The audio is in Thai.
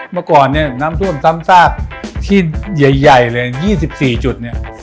เมื่อก่อนน้ำท่วมซ้ำซากที่ใหญ่เลย๒๔จุด